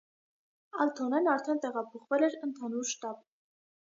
Ալթոնեն արդեն տեղափոխվել էր ընդհանուր շտաբ։